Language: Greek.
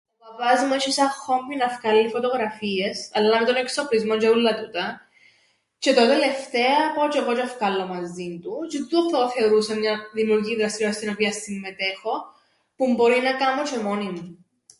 Ο παπάς μου έσ̆ει σαν χόμπι να φκάλλει φωτογραφίες, αλλά με τον εξοπλισμόν τζ̆αι ούλλα τούτα, τζ̆αι τωρ΄α τλευταία πάω τζ̆αι εγώ τζ̆αι φκάλλω μαζίν του, τζ̌αι τούτον θα το θεωρούσα μιαν δημιουργικήν δραστηριότηταν στην οποία συμμετέχω, που μπορεί να κάμω τζ̆αι μόνη μου.